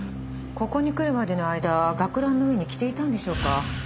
ここに来るまでの間学ランの上に着ていたんでしょうか？